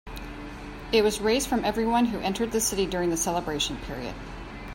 It was raised from everyone who entered the city during the celebration period.